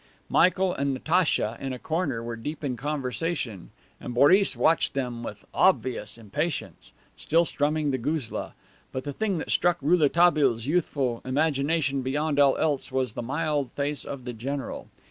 Michael and Natacha, in a corner, were deep in conversation, and Boris watched them with obvious impatience, still strumming the guzla. But the thing that struck Rouletabille's youthful imagination beyond all else was the mild face of the general.